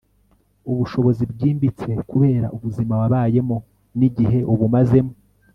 ubushobozi bwimbitse kubera ubuzima wabayemo n'igihe ubumazemo